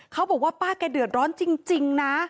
เขาบอกว่าป้าแกเดือดร้อนจริงนะ